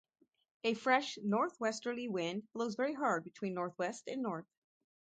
A fresh northwesterly wind blows very hard between northwest and north.